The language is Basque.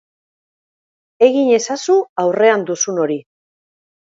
Egin ezazu aurrean duzun hori.